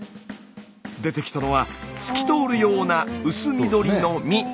出てきたのは透き通るような薄緑の実。